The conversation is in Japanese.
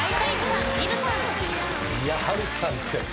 いや波瑠さん強い。